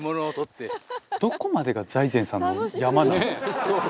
「どこまでが財前さんの山なの？」